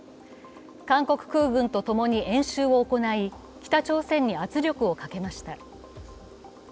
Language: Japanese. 韓国空軍とともに演習を行い北朝鮮に圧力をかけました。